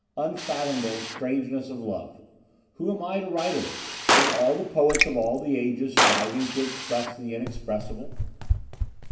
Unfathomable strangeness of love! Who am I to write of it, with all the poets of all the ages striving to express the unexpressible?